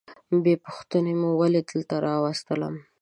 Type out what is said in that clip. بې پوښتنې مو ولي دلته راوستلم؟